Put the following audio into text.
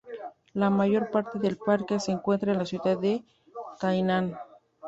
La mayor parte del parque se encuentra en la ciudad de Tainan.